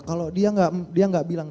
kalau dia gak bilang